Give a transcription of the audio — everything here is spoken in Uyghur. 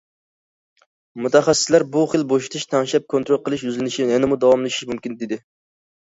مۇتەخەسسىسلەر: بۇ خىل بوشىتىش، تەڭشەپ كونترول قىلىش يۈزلىنىشى يەنىمۇ داۋاملىشىشى مۇمكىن، دېدى.